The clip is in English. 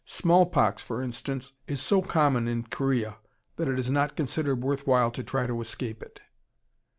Smallpox, for instance, is so common in Korea that it is not considered worth while to try to escape it.